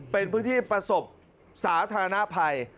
เป็นพื้นที่ประสบสาธารณภัย